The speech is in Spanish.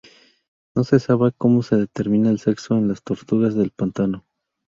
No se sabe cómo se determina el sexo en las tortugas de pantano.